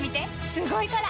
すごいから！